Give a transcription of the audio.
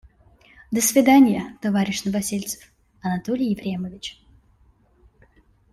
До свиданья, товарищ Новосельцев, Анатолий Ефремович.